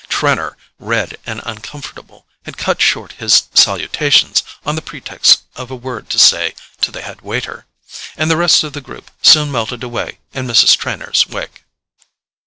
Trenor, red and uncomfortable, had cut short his salutations on the pretext of a word to say to the head waiter; and the rest of the group soon melted away in Mrs. Trenor's wake.